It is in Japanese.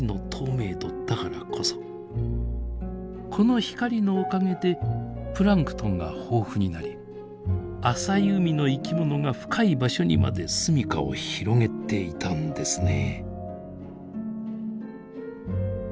この光のおかげでプランクトンが豊富になり浅い海の生き物が深い場所にまで住みかを広げていたんですね。